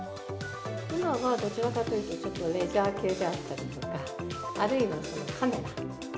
今はどちらかというとちょっとレジャー系であったりとか、あるいはカメラ。